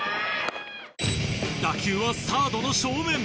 打球はサードの正面！